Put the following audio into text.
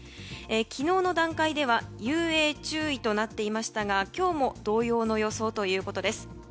昨日の段階では遊水注意となっていましたが今日も同様の予想ということです。